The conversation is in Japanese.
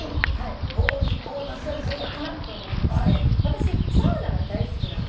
かなと思いまして私サウナが大好きなんですけど。